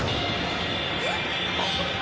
「えっ？」